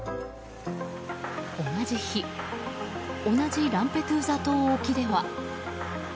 同じ日同じランペドゥーザ島沖では。